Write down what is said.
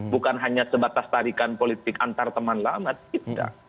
bukan hanya sebatas tarikan politik antar teman lama tidak